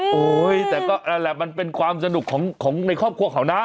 อำกันโอ๊ยแต่ก็เอาแหละมันเป็นความสนุกของของในครอบครัวเขานะ